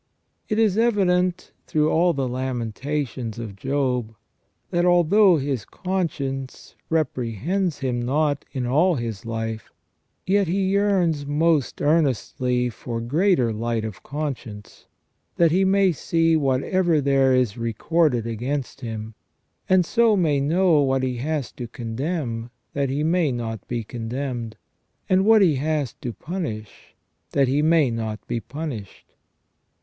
It is evident through all the lamentations of Job, that although his conscience reprehends him not in all his life, yet he yearns most earnestly for greater light of conscience, that he may see whatever there is recorded against him, and so may know what he has to condemn that he may not be condemned, and what he has to punish that he may not be punished.